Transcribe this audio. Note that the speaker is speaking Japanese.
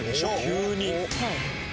急に。